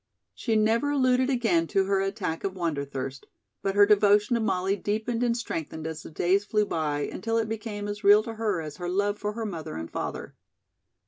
She never alluded again to her attack of wanderthirst, but her devotion to Molly deepened and strengthened as the days flew by until it became as real to her as her love for her mother and father.